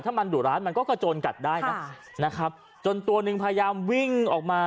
ถ้ามันดุร้านมันก็กระโจนกัดได้นะนะครับจนตัวหนึ่งพยายามวิ่งออกมา